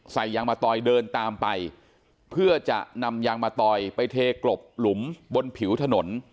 ยางมะตอยเดินตามไปเพื่อจะนำยางมะตอยไปเทกลบหลุมบนผิวถนน